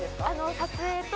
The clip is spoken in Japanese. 撮影と。